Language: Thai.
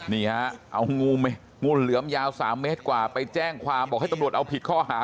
นี่ฮะเอางูเหลือมยาว๓เมตรกว่าไปแจ้งความบอกให้ตำรวจเอาผิดข้อหา